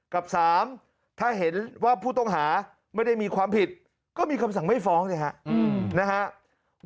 กับ๓ถ้าเห็นว่าผู้ต้องหาไม่ได้มีความผิดก็มีคำสั่งไม่ฟ้องสิครับนะฮะ